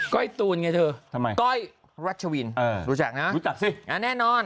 ก้อยตูนไงเถอะก้อยรัชวินรู้จักนะอ่ะแน่นอน